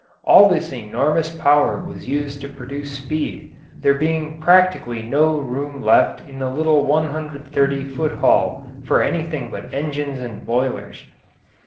All this enormous power was used to produce speed, there being practically no room left in the little 130 foot hull for anything but engines and boilers.